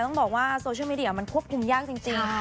ต้องบอกว่าโซเชียลมีเดียมันควบคุมยากจริง